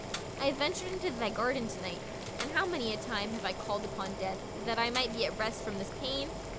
I have ventured into thy garden tonight, and how many a time have I called upon death, that I might be at rest from this pain!